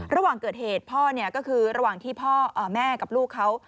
ระหว่างเกิดเหตุพ่อเนี่ยก็คือระหว่างที่พ่อแม่กับลูกเขา